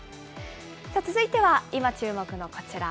続いては、今、注目のこちら。